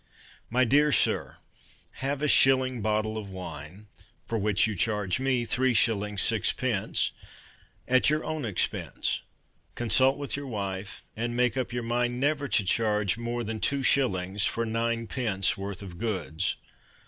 My dear Sir, Have a shilling bottle of wine (For which you charge me 3s. 6d.) At your own expense, Consult with your wife, And make up your mind Never to charge More than 2s. For 9d. worth of goods.